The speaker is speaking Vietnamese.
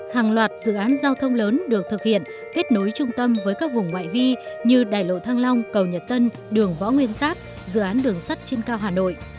hàng loạt dự án giao thông lớn được thực hiện kết nối trung tâm với các vùng ngoại vi như đài lộ thăng long cầu nhật tân đường võ nguyên giáp dự án đường sắt trên cao hà nội